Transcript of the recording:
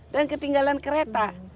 dan ketinggalan kereta